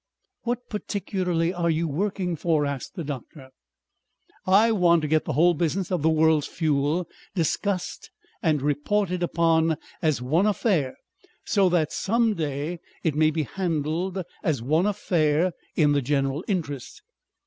"What particularly are you working for?" asked the doctor. "I want to get the whole business of the world's fuel discussed and reported upon as one affair so that some day it may be handled as one affair in the general interest."